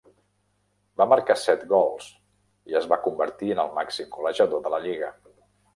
Va marcar set gols i es va convertir en el màxim golejador de la lliga.